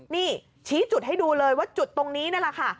นี่ชี้จุดให้ดูเลยว่าจุดตรงนี้นั่นแหละค่ะ